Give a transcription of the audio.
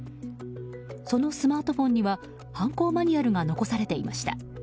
そのスマートフォンには犯行マニュアルが残されていました。